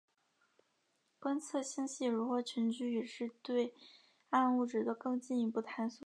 观测星系如何群聚也是对暗物质的更进一步探索。